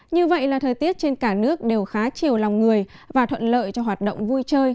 như vậy là thời tiết trên cả nước đều khá chiều lòng người và thuận lợi cho hoạt động vui chơi